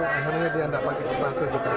sebenarnya dia tidak pakai sepatu gitu